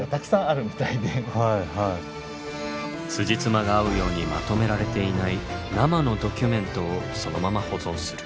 つじつまが合うようにまとめられていない生のドキュメントをそのまま保存する。